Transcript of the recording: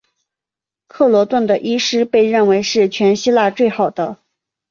克罗顿的医师被认为是全希腊最好的。